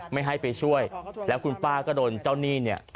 ไม่ให้ไปช่วยแล้วคุณป้าก็โดนเจ้าหนี้เนี่ย